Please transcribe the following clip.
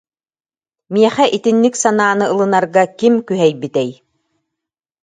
Миэхэ итинник санааны ылынарга ким күһэйбитэй